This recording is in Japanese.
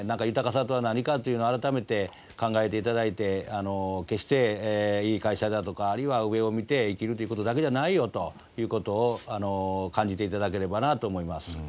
豊かさとは何かというのを改めて考えていただいて決していい会社だとかあるいは上を見て生きるということだけじゃないよということを感じていただければなと思います。